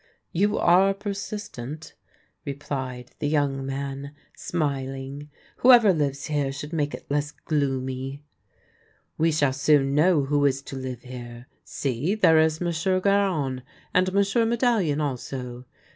" You are persistent," replied the young man, smil ing. "Whoever lives here should make it less gloomy." " We shall soon know who is to live here. See, there is Monsieur Garon, and Monsieur Medallion also."